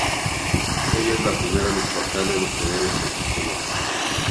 Ella es la primera Michoacana en obtener este título.